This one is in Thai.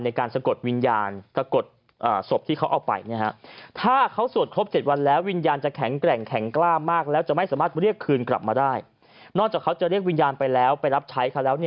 ในการสะกดวิญญาณสะกดสพที่เขาเอาไปนะฮะ